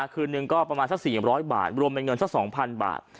คืนนึงก็ประมาณสัก๔๐๐บาทรวมเป็นเงินสัก๒๐๐บาท